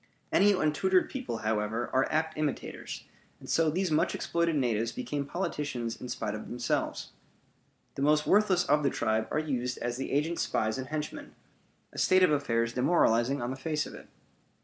Any untutored people, however, are apt imitators, and so these much exploited natives become politicians in spite of themselves. The most worthless of the tribe are used as the agent's spies and henchmen; a state of affairs demoralizing on the face of it.